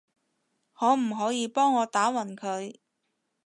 可唔可以幫我打暈佢？